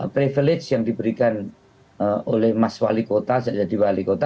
privilege yang diberikan oleh mas fahli kota